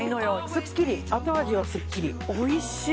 すっきり後味はすっきりおいしい！